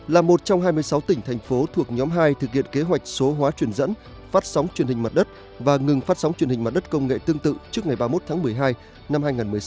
là một trong hai mươi sáu tỉnh thành phố thuộc nhóm hai thực hiện kế hoạch số hóa truyền dẫn phát sóng truyền hình mặt đất và ngừng phát sóng truyền hình mặt đất công nghệ tương tự trước ngày ba mươi một tháng một mươi hai năm hai nghìn một mươi sáu